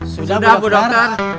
sudah bu dokter